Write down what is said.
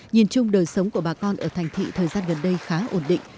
nhìn chung đời sống của bà con ở thành thị thời gian gần đây khá ổn định